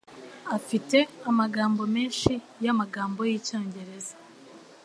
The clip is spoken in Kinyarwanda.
Afite amagambo menshi yamagambo yicyongereza.